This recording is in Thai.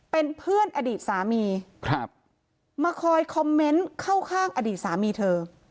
เป็นเพื่อนอดีตสามีครับมาคอยคอมเมนต์เข้าข้างอดีตสามีเธอ